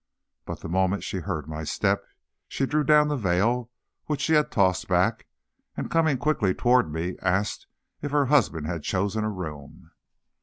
But the moment she heard my step she drew down the veil which she had tossed back, and coming quickly toward me, asked if her husband had chosen a room.